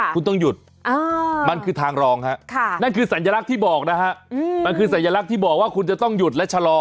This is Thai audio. คุณต้องหยุดมันคือทางรองนั่นคือสัญลักษณ์ที่บอกว่าคุณจะต้องหยุดและชะลอ